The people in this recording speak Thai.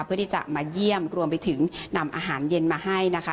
เพื่อที่จะมาเยี่ยมรวมไปถึงนำอาหารเย็นมาให้นะคะ